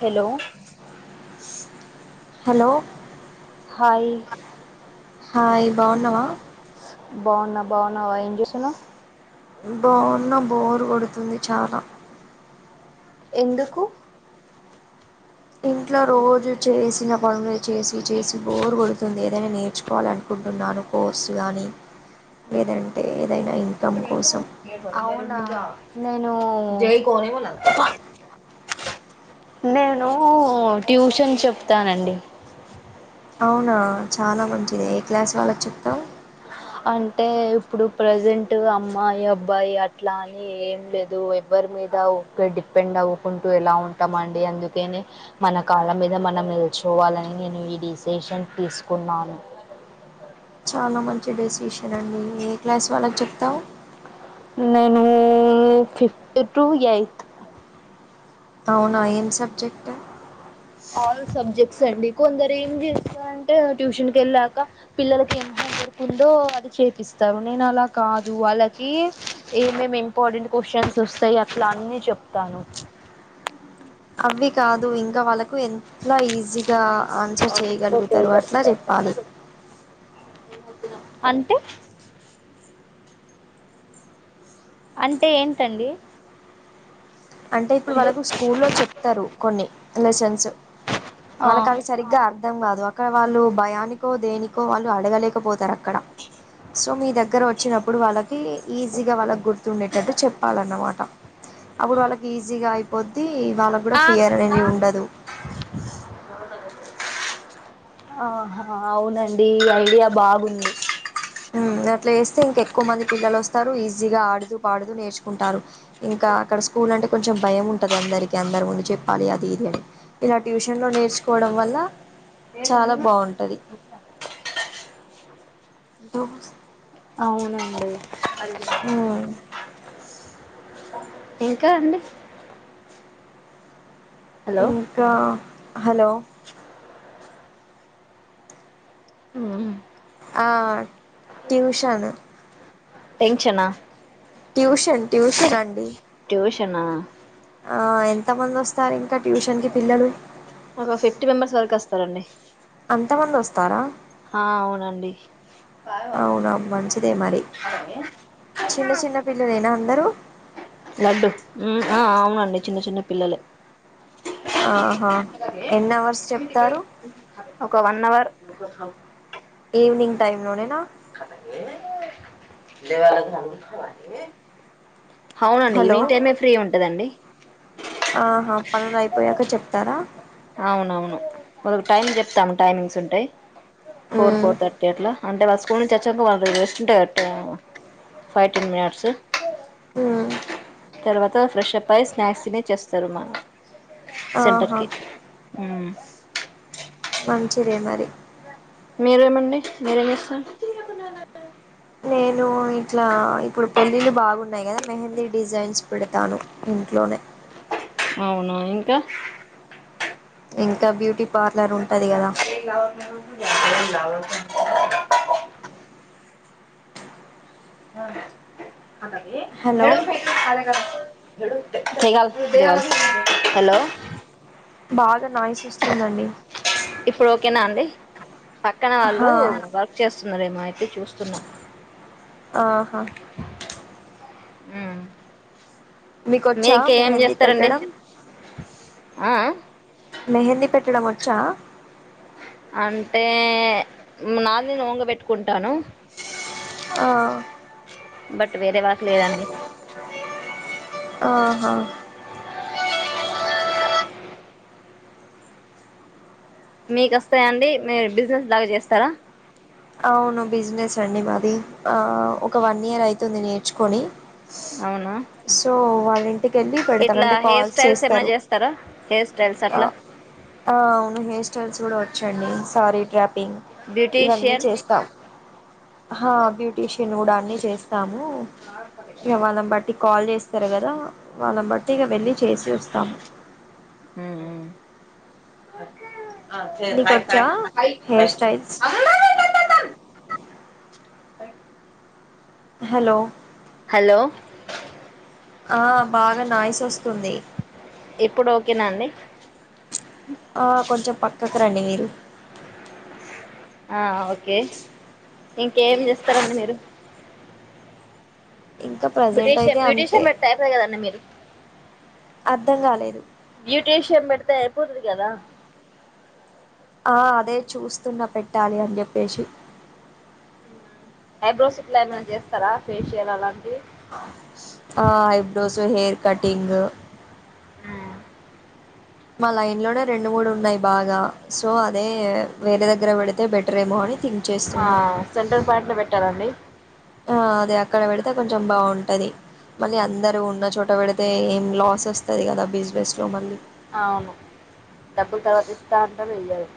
Hello hello hi hi బావున్నావా బాగున్నా బావున్నావా ఏం చేస్తున్నావ్ బాగున్న బోరు కొడుతుంది చాలా ఎందుకు ఇంట్లో రోజు చేసిన పనులే చేసి చేసి బోరు కొడుతుంది ఏదైనా నేర్చుకోవాలి అనుకుంటున్నాను కోర్సు కానీ లేదంటే ఏదైనా ఇ అవునా నేను జయికోని ఉన్నది నేను ట్యూషన్ చెప్తానండి అవునా చాలా మంచిది ఏ క్లాస్ వాళ్ళకి చెప్తావ్ అంటే ఇప్పుడు ప్రజెంట్ అమ్మాయి అబ్బాయి అట్లా అని ఏం లేదు ఎవరి మీద ఒక డిపెండ్ అవుకుంటూ ఎలా ఉంటామండి అందుకనే మన కాళ్ళ మీద మనం నిలుచోవాలని నేను ఈ డిసిషన్ తీసుకున్నాను చాలా మంచి డెసిషన్ అండి ఏ క్లాస్ వాళ్ళకు చెప్తావ్ నేను ఫిఫ్త్ టు ఎయిట్త్ అవునా ఏం సబ్జెక్ట్ ఆల్ సబ్జెక్ట్ స్ అండి కొందరు ఏం చేస్తారు అంటే ట్యూషన్కి వెళ్ళాక పిల్లలకి ఏం హోమ్ వర్క్ ఉందో అది చేపిస్తారు నేను అలా కాదు వాళ్ళకి ఏమేమి ఇంపార్టెంట్ క్వశ్చన్స్ వస్తాయి అట్లా అన్నీ చెప్తాను అవి కాదు ఇంకా వాళ్ళకి కు ఎట్ల ఈజీగా ఆన్సర్ ఓకే చేయగలుగుతారో గారు అట్లా చెప్పాలి తర్వాత అంటే అంటే ఏంటండి అంటే ఇప్పుడు వాళ్ళకు స్కూల్ లో చెప్తారు కొన్ని లెసెన్స్ ఆ వాళ్ళకవి సరిగ్గా అర్ అర్థం కాదు అక్కడ వాళ్ళు భయానికో దేనికో వాళ్ళు అడగలేకపోతారు అక్ అక్కడ సో మీ దగ్గర వచ్చినప్పుడు వాళ్ళకి ఈజీగా వాళ్ళ గుర్తు ఉండేటట్టు చెప్పాలన్నమాట అప్పుడు వాళ్ళకి ఈజీగా అయిపోద్ది వాళ్ళకు కూడా ఆ ఫియర్ అనేది ఉండదు ఆహా అవునండి ఈ ఐడియా బాగుంది అట్లా వేస్తే ఇంక ఎక్కువ మంది పిల్లలు వస్తారు ఈజీగా ఆడుతూ పాడుతూ నేర్చుకుంటారు ఇంకా అక్కడ స్కూల్ అంటే కొంచెం భయం ఉంటుంది అందరిక అందరి ముందు చెప్పాలి అది ఇది అని ఇలా ట్యూషన్ లో నేర్చుకోవడం వల్ల చాలా బాగుంటది ధూమ్స్ అవునండి హ్మ్ ఇంకా అండి హలో ఇంకా హలో ఆ ట్యూషన్ టెన్షన్ ఆ ట్యూషన్ ట్యూషన్ అండి ట్యూషన్ ఆ ఆ ఎంత మంది వస్తారు ఇంకా ట్యూషన్ కి పిల్లలు ఎండీ అంత మంది వస్తారా అవునండి అవునా మంచిదే మరి చిన్న చిన్న పిల్లలు ఏనా జరుగు లడ్డు ఆ అవునండి చిన్న చిన్న పిల్లలే ఆహా ఎన్ని అవర్స్ చెప్తారు ఒక వన్ అవర్ ఈవినింగ్ టైమ్ లోనేన [inaudible] అవునండి హలో ఈవినింగ్ టైమే ఫ్రీ ఉంటదండి ఆహా పనులు అయిపోయాక చెప్తారా అవునవును మూడ్ టైమింగ్స్ చెప్తాము టైమింగ్స్ ఉంటే ఫోర్ ఉమ్, ఫోర్ థర్టీ అట్లా అంటే వాళ్ళ స్కూల్ నుంచి వచ్చాక వాళ్ళు రెస్ట్ంటాయి ఫోర్ టీన్ మినిట్స్ హ్మ్ తర్వాత ఫ్రెషప్ అయ్యి స్నాక్స్ తినేసి చేస్తారు మా సెంటర్ ఆహా కి హ్మ్ మంచిదే మరి మీరేమండి మీరేం చేస్తార్ నేను ఇట్లా ఇప్పుడు పెళ్ళిళ్ళ బాగున్నాయి కదా మెహందీ డిజైన్స్ పెడతాను ఇంట్లోనే అవునా ఇంకా ఇంకా బ్యూటీ పార్లర్ ఉంటది కదా [inaudible] ఆ హలో [inaudible] హలో బాగా నాయిస్ వస్తుందండి ఇప్పుడు ఓకేనా అండి పక్కన వాళ్ళు హా వర్క్ చేస్త వస్తున్నారేమో అయితే చూస్తున్నా ఆహా అ మీకొచ్చా మీంక ఏమి మెహందీ చేస్తారండి పెట్టడం ఆ మెహందీ పెట్టడం వచ్చా అంటే నాది నేను ఓన్ గా పెట్టుకుంటాను ఆ బట్ వేరే వాళ్ళకి ఎయ్యండి ఆహా మీకు వస్తాయా అండి మీరు బిజినెస్ బాగా చేస్తారా అవును బిజినెస్ అండి మాది ఆ ఒక వన్ ఇయర్ అయితుంది నేర్చుకొని అవునా సో వా టికెల్లి పెడతరు, ఇట్లా అంటే హెయిర్ కాల్స్ స్టైల్స్ ఏమైనా చేస్తారు. చేస్తారా హెయిర్ స్టైల్స్ అ అట్లా ఆవును హెయిర్ స్టైల్స్ గుడా వచ్చండి, సారీ డ్రాపింగ్ ఇవన్నీ. బ్యూటీషియన్ [unintelligible] హా బ్యూటీషియన్ ని గూడా అన్ని చేస్తాము, ఇహ వాళ్లని బట్టి కాల్ చేస్తరు కదా. వాళ్లనిబట్టీ ఇగ. వెల్లి చేసి వస్తాము. అఓకే [unintelligible] నీకొచ్చా హెయిర్ స్టైల్స్ అ హలో హలో ఆ బాగా నాయిస్ ఒస్తుంది. ఇప్పుడు ఓకేనా అండి పక్కకు రండి మీరు ఆ ఓకే ఇంకేం చేస్తారండి మీరు? ఇంకా ప్రజెంట్ అయితే బ్యుటీషియన్ అంతే బ్యూటీషియన్ పెడితే అయిపోయే కదండి మీరు. అర్ధం గాలేదు. బ్యూటీషియన్ పెడితే అయిపోతుది కదా. ఆ అదే చూస్తున్న పెట్టాలి అని జెప్పేషి. ఐబ్రోస్ ఇట్ల ఏమైనా చేస్తారా? ఫేషియల్ అలా ఆ ఐబ్రోస్ హెయిర్ కటింగ్ ఆ మా లైన్ లోనే రెండు మూడు ఉన్నాయి బాగా సో అదే వేరే దగ్గర పెడి ఆ సెంటర్ పాయింట్ లో పెట్టాలండి. ఆ అది అక్కడ పెడితే కొంచెం బావుంటది మల్లీ అందరూ ఉన్న చోట పెడితే ఏం లాస్ ఒస్తది కదా బిజినెస్ లో మల్లీ. అవును డబ్బులు తర్వాత ఇస్తా అంటరు, ఇయ్యరు.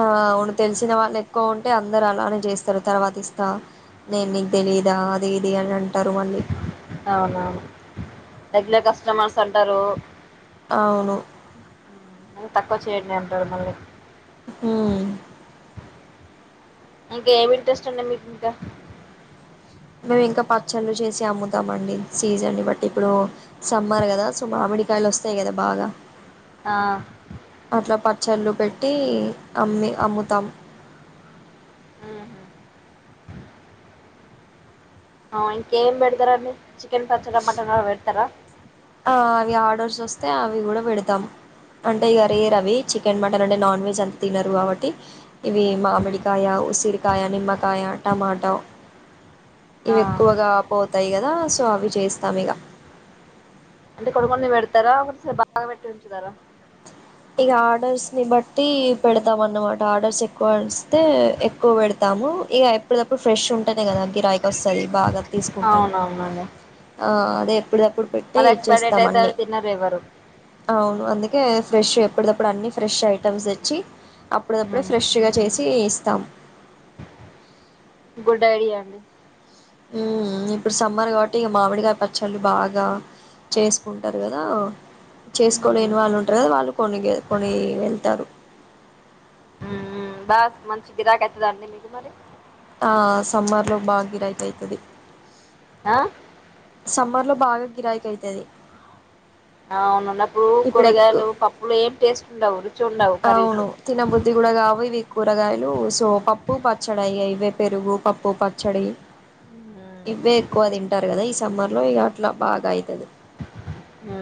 ఆ అవును తెలిసిన వాళ్లు ఎక్కువ ఉంటే అందరు అలానే జేస్తరు తర్వాత ఇస్తా, నేను నీకు తెలిదా, అదీ ఇదీ అని అంటరు మల్లి. అవునవును రెగ్యులర్ కస్టమర్స్ అంటారూ. అవును [unintelligible] తక్కువ చేయండి అంటారు మల్లీ. హ్మ్ ఇంకా ఏమి ఇంట్రెస్ట్ అండి మీకింక? మేము ఇంకా పచ్చళ్ళు చేసి అమ్ముతాం అండి, సీజన్ ని బట్టి, ఇప్పుడూ సమ్మర్ గదా సో మామిడి కాయలు వస్తాయి గదా బాగా. ఆ చల్లు పెట్టీ అమ్మి అమ్ముతాం. హ్మ్హ ఆ ఇంకేం పెడతరాండి, చికెన్ పచ్చడా మటన్ ర పెడతరా? ఆ అవి ఆర్డర్స్ ఒస్తే అవి గూడా పెడతాం. అంటే ఇగ రేర్ అవి చికెన్, మటన్ అంటే నాన్ వెజ్ అం తినరు గాబట్టి ఇవీ మామిడికాయ, ఉసిరికాయ, నిమ్మకాయ, టమాటౌ. ఆ, ఇవి ఎక్కువగా పోతాయి కదా, సో అవి చేస్తాం ఇగ. అంటే కొడు మంది పెడతారా ఒకస బాగా పెట్టి ఉంచుతారా ఇగ ఆర్డర్స్ ని బట్టి పెడతాం అన్నమాట. ఆర్డర్స్ ఎక్కువ వస్తే ఎక్కువ పెడతాము. ఇక ఎప్పుడిదప్పుడు ఫ్రెష్ ఉంటనే కదా గిరాకి వస్తది బాగా తీసుకుంటారు. అవునవునండి ఆ అదే అప్పుడ ఇప్పుడు పెట్టి మళ్ళీ ఎక్స్పైర్ డేట్ ఇచ్చేస్తాం. అయితే అన్ని అవి తినరు ఎవరు అవును అందుకే ఫ్రెష్ ఎప్పుడిదప్పుడు అన్ని ఫ్రెష్ ఐటమ్స్ తెచ్చి అప్పుడదప్పుడే ఫ్రెష్గా చేసి ఇస్తాం. గుడ్ ఐడి అండి ఊ ఇప్పుడు సమ్మర్ కాబట్టి ఇక మామిడికాయ పచ్చళ్ళు బాగా చేసుకుంటారు కదా మ్మ్. చేసుకోలేని వాళ్ళు ఉంటరు కదా వాళ్ళు కొన్ని కొని వెళ్తారు ఉఉమ్ బస్ మంచి గిరాకీ అయితదా అండి మీకు మరి ఆ సమ్మర్ లో బాగ గిరాకీ అయితది. ఆ? సమ్ మర్ లో బాగా గిరాకి అయితది. అవునున్నప్పుడు ఇప్పుడు ఎక్కు కూరగాయలు పప్పులు ఏం టేస్ట్ ఉండవుదు అవును తిన బుద్ధి గుడ గావు ఇవి కూరగాయలు సో పప్పు పచ్చడి అయ్యాయ్. ఇవే పెరుగు, పప్పు, పచ్చడి. మ్మ్. ఇవే ఎక్కువ తింటారు కదా ఈ సమ్మర్ లో ఇక నా బాగ అయితది ఉ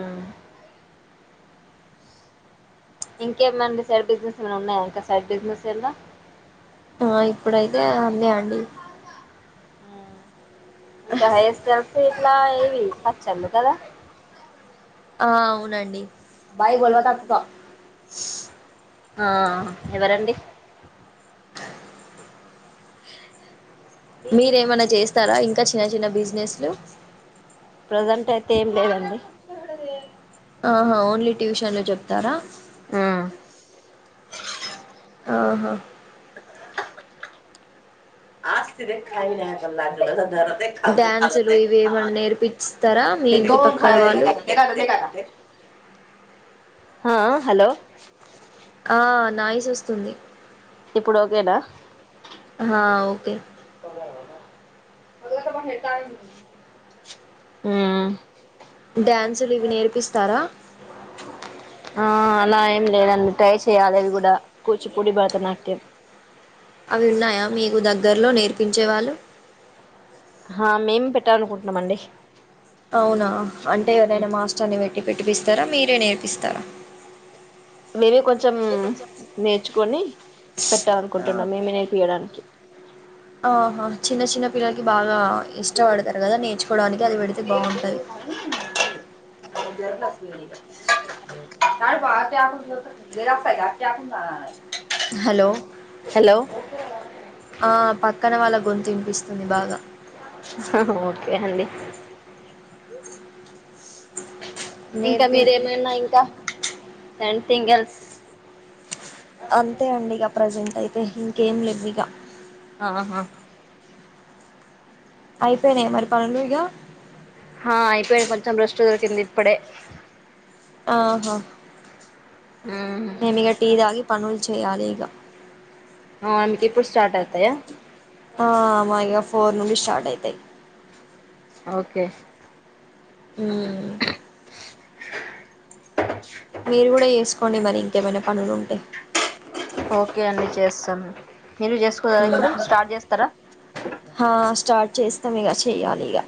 ఇంకేమండి సైడ్ బిజినెస్ ఏమైనా ఉన్నాయా ఇంకా సైడ్ బిజినెస్ ఎలా ఆ ఇప్పుడైతే అందే అండి. ఇంకా హైర్ స్టైల్స్ ఇట్లాటివి పచ్చలు కదా ఆ అవునండి. ఆ ఎవరండి మీరేమన్నా చేస్తారా ఇంకా చిన్న చిన్న బిజినెస్లు ప్రజెంట్ అయితే ఏం లేదండి. ఆహా ఓన్లీ ట్యూషన్లు చెప్తారా? ఆ ఆహా ఆస్తిద కాన ఆలాద ర డ్యాన్సులు ఇవి ఏమన్నా నేర్పిస్తారా మీ ఇంటి దోకా పక్కన వాళ్ళు హా హలో ఆ నాయిస్ వస్తుంది. ఇప్పుడు ఓకేనా హా ఓకే హ్మ్ డ్యాన్సులు ఇవి నేర్పిస్తారా ఆ అలా ఏం లేదండి ట్రై చేయాలి అవి కూడా కూచిపూడి భరతనాట్యం అవి ఉన్నాయా మీకు దగ్గర్లో నేర్పించేవాళ్ళు ఆ మేము పెట్టాలనుకుంటున్నామండి అవునా అంటే ఎవరైనా ఉమ్ మాస్టర్ని పెట్టి పెట్టిపిస్తారా మీరే నేర్పిస్తారా మీరే కొం చం నేర్చుకొని పెట్టాల అనుకుంటున్నాం మేమే నేర్పియడానికి ఆహా చిన్న చిన్న పిల్లలకి బాగా హలో ఇష్టపడతారు కదా నేర్చుకోవడానికి అది పెడితే బాగుంటది గర్లాస్ వ బ గసకు హలో ఆ పక్కన వాళ్ళ గొంతనిపిస్తుంది బాగా ఓకే అండి ఇంకా నేర్పి మీరేమైనా ఇంకాం తింగల్స్ అంతే అండి ఇక ప్రెజెంట్ అయి ఇంకేం రెవవిగా ఆహా అయిపోయినాయి మరి పనులు ఇక ఆ అయిపోయాడు కొంచెం ర్రెస్ట్ దొరికింది ఇప్పుడే ఆహా మేమి ఇగ టీ తాగి పనులు చేయాలి ఇగ మీకు ఇప్పుడు స్టార్ట్ అవుతాయా ఆ మా ఇగా ఫోర్ నుండి స్టార్ట్ అయితాయి ఓకే మ్మ్ మీరు కూడ చేసుకోండి మరి ఇంకేమైనా పనులు ఉంటే ఓకే అండి చేస్తాన్ మీరు చేసుకోదా మ్మ్ ఇప్పుడు స్టార్ట్ చేస్తారా స్తాం ఇగ చేయాలి ఇగా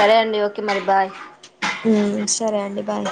సరే అండి ఓకే మరి బాయ్ హ్మ్ సరే అండి బాయ్